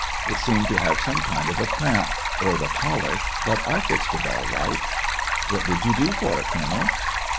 It seemed to have some kind of a cramp, or the colic J but I fixed it all right." "What did you do for it, colonel!"